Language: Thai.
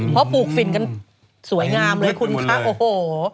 เพราะปลูกฝิ่นกันสวยงามเลยคุณคะโอ้โห